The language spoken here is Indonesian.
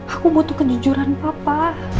aku butuh kejujuran papa